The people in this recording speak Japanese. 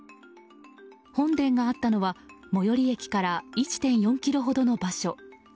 本殿があったのは、最寄り駅から１．４ｋｍほどの場所。